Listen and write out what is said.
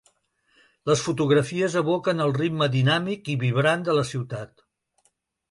Les fotografies evoquen el ritme dinàmic i vibrant de la ciutat.